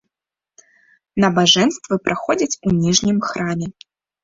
Набажэнствы праходзяць у ніжнім храме.